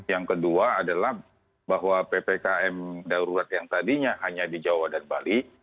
yang kedua adalah bahwa ppkm darurat yang tadinya hanya di jawa dan bali